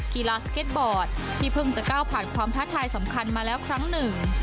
กีฬาสเก็ตบอร์ดที่เพิ่งจะก้าวผ่านความท้าทายสำคัญมาแล้วครั้งหนึ่ง